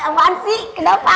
apaan sih kenapa